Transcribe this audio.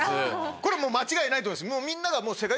これもう間違いないと思いますみんなが。